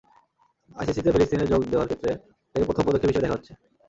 আইসিসিতে ফিলিস্তিনের যোগ দেওয়ার ক্ষেত্রে এটাকে প্রথম পদক্ষেপ হিসেবে দেখা হচ্ছে।